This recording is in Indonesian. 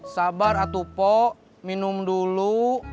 sabar atu pok minum dulu